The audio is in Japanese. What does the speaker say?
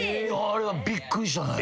あれはびっくりしたね。